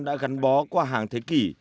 đã gắn bó qua hàng thế kỷ